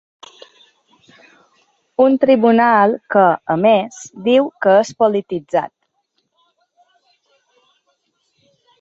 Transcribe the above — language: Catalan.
Un tribunal que, a més, diu que és polititzat.